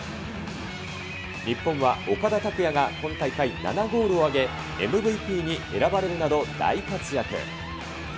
日本は岡田拓也が、今大会７ゴールを挙げ、ＭＶＰに選ばれるなど大活躍。